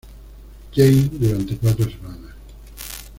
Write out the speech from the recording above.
James durante cuatro semanas.